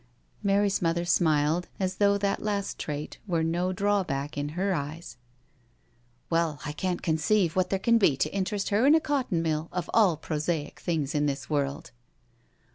'* Mary's mother smiled, as though that last trait were no drawback in her eyes. " Well, I can't conceive what there can be to interest BRACKENHILL HALL 23 her in a cotton mill— of all prosaic things in this world."